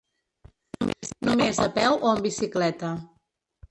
Només a peu o amb bicicleta.